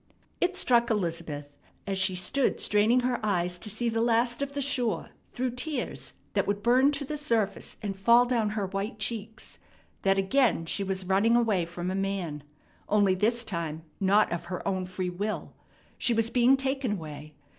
It struck Elizabeth, as she stood straining her eyes to see the last of the shore through tears that would burn to the surface and fall down her white cheeks, that again she was running away from a man, only this time not of her own free will. She was being taken away.